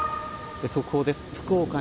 速報です。